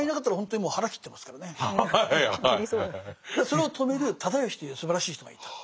それを止める直義というすばらしい人がいた。